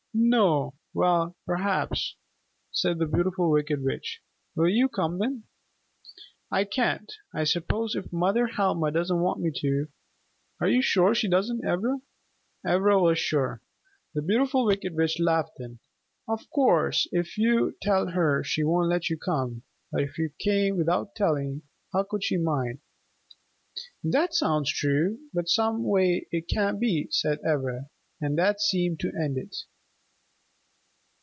"No. Well, perhaps," said the Beautiful Wicked Witch. "Will you come then?" "I can't, I suppose, if Mother Helma doesn't want me to. Are you sure she doesn't, Ivra?" Ivra was sure. The Beautiful Wicked Witch laughed then. "Of course, if you tell her she won't let you come. But if you came without telling, how could she mind?" "That sounds true, but someway it can't be," said Ivra. And that seemed to end it.